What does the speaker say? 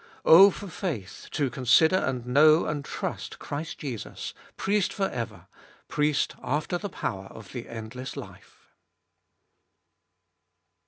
Oh for faith to consider and know and trust Christ Jesus, Priest for ever, Priest after the power of the endless life!